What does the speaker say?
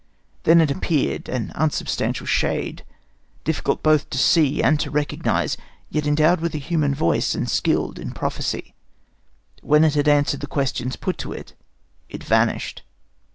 Then it appeared, an unsubstantial shade, difficult both to see and to recognize, yet endowed with a human voice and skilled in prophecy. When it had answered the questions put to it, it vanished."